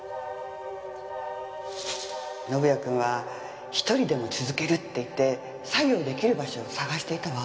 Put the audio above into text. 宣也君は一人でも続けるって言って作業出来る場所を探していたわ。